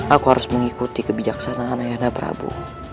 aku harus mengikuti kebijaksanaan ayahnya prabu